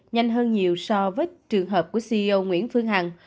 nhanh hơn nhiều so với trường hợp của ceo nguyễn phương hằng